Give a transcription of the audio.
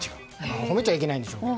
褒めちゃいけないんでしょうが。